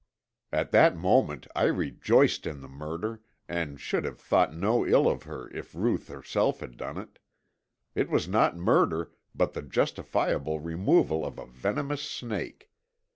'" At that moment I rejoiced in the murder, and should have thought no ill of her if Ruth herself had done it. It was not murder but the justifiable removal of a venomous snake.